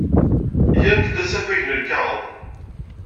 Gant-d asafag n lkaɣeḍ.